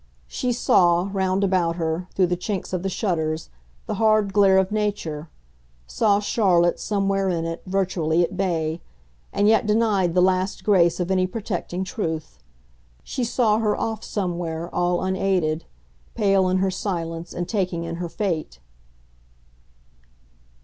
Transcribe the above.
She saw, round about her, through the chinks of the shutters, the hard glare of nature saw Charlotte, somewhere in it, virtually at bay, and yet denied the last grace of any protecting truth. She saw her off somewhere all unaided, pale in her silence and taking in her fate.